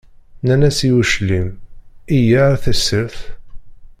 Nnan-as i uclim: yya ar tessirt.